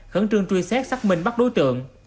khẩn trương truy xét xác minh bắt đối tượng